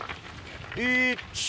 １！